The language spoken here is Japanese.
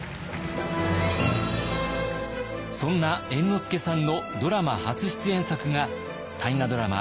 そんな猿之助さんのドラマ初出演作が大河ドラマ